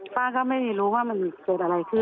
ป้าก็ไม่รู้ว่ามันเกิดอะไรขึ้น